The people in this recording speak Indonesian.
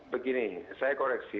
begini saya koreksi